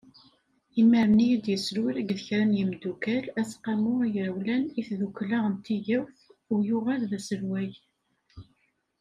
Imir-nni i d-yeslul-d akked kra n yimeddukkal aseqqamu agrawlan i tiddukla n tigawt u yuɣal d aselway.